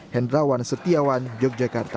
hendrawan setiawan yogyakarta